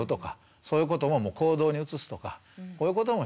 そういうことも行動に移すとかこういうこともして頂くとかね。